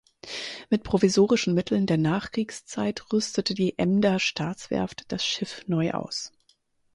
Mit provisorischen Mitteln der Nachkriegszeit rüstete die Emder Staatswerft das Schiff neu aus.